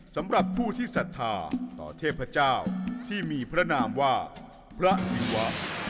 สำหรับผู้ที่ศรัทธาต่อเทพเจ้าที่มีพระนามว่าพระศิวะ